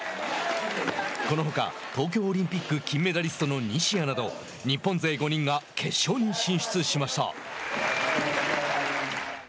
このほか東京オリンピック金メダリストの西矢など日本勢５人が決勝に進出しました。